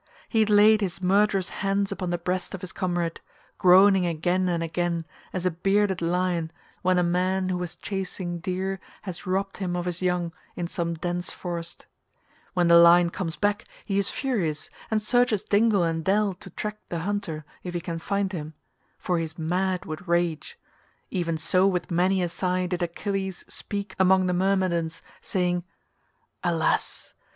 He laid his murderous hands upon the breast of his comrade, groaning again and again as a bearded lion when a man who was chasing deer has robbed him of his young in some dense forest; when the lion comes back he is furious, and searches dingle and dell to track the hunter if he can find him, for he is mad with rage—even so with many a sigh did Achilles speak among the Myrmidons saying, "Alas!